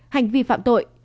hành vi phạm tội